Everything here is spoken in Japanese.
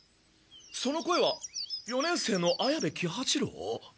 その声は四年生の綾部喜八郎。